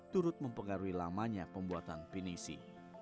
turut mempengaruhi lamanya pembuatan pinisi